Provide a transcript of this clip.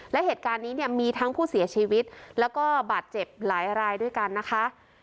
และเหตุการณ์นี้เนี่ยมีทั้งผู้เสียชีวิตแล้วก็บาดเจ็บหลายรายด้วยกันนะคะ